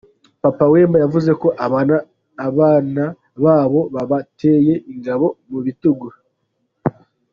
Papa Wemba yavuze ko abana babo babateye ingabo mu bitugu .